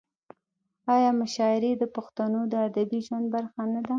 آیا مشاعرې د پښتنو د ادبي ژوند برخه نه ده؟